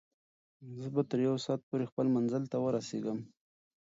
زه به تر یو ساعت پورې خپل منزل ته ورسېږم.